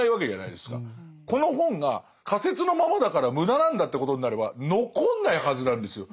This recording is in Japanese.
この本が仮説のままだから無駄なんだってことになれば残んないはずなんですよ。